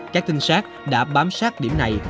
các tinh sát đã bám sát điểm này